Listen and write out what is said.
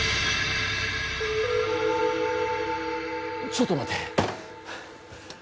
ちょっと待て。